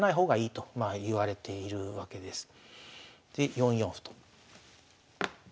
で４四歩と。